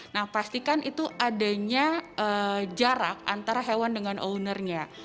nah pastikan itu adanya jarak antara hewan dengan ownernya